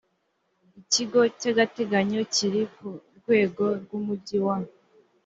ikigo cy agateganyo kiri ku rwego rw umujyi wa